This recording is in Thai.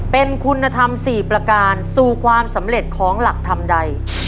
เป็นคุณธรรม๔ประการสู่ความสำเร็จของหลักธรรมใด